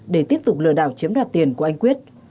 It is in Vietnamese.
để tiếp tục lừa đảo chiếm đoạt tiền của anh quyết